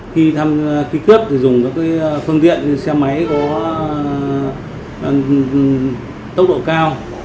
khi thamớt thì dùng các phương tiện xe máy có tốc độ cao